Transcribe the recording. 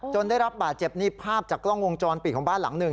ได้รับบาดเจ็บนี่ภาพจากกล้องวงจรปิดของบ้านหลังหนึ่ง